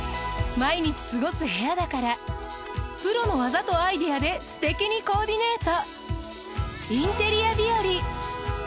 毎日過ごす部屋だからプロの技とアイデアですてきにコーディネート。